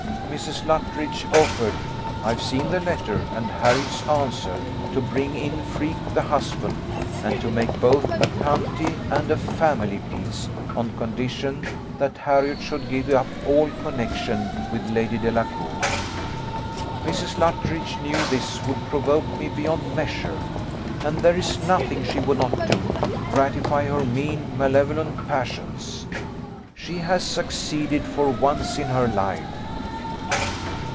Mrs. Luttridge offered (I've seen the letter, and Harriot's answer) to bring in Freke, the husband, and to make both a county and a family peace, on condition that Harriot should give up all connexion with Lady Delacour. Mrs. Luttridge knew this would provoke me beyond measure, and there is nothing she would not do to gratify her mean, malevolent passions. She has succeeded for once in her life.